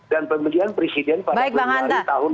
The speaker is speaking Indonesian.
dan pemilihan presiden pada bulan hari tahun dua ribu dua puluh empat